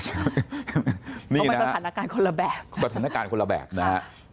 เพราะมันสถานการณ์คนละแบบสถานการณ์คนละแบบนะฮะ